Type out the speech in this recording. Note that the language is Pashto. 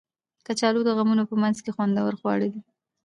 کچالو د غمونو په منځ کې خوندور خواړه دي